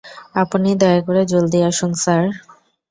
আপনি দয়া করে জলদি আসুন, স্যার।